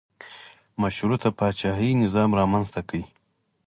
مشروطه پاچاهي نظام رامنځته کړل.